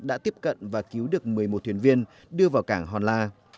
đã tiếp cận và cứu được một mươi một thuyền viên đưa vào cảng hòn la